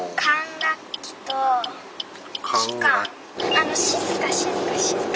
あの静か静か静か。